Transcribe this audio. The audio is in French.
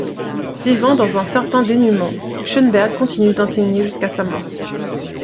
Vivant dans un certain dénuement, Schönberg continue d'enseigner jusqu'à sa mort.